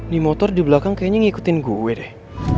di motor di belakang kayaknya ngikutin gue deh